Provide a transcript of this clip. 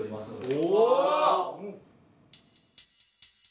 お！